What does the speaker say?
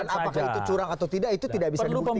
dan apakah itu curang atau tidak itu tidak bisa dibuktikan juga